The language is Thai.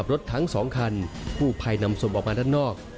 ทั้ง๒คันกู้ภัยนำศพออกมาด้านนอก